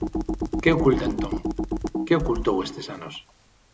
Que oculta entón?, que ocultou estes anos?